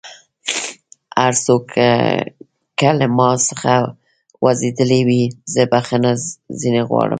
هر څوک که له ما څخه ځؤرېدلی وي زه بخښنه ځينې غواړم